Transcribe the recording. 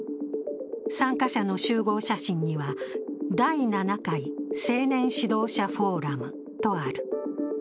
参加者の集合写真には、第７回青年指導者フォーラムとある。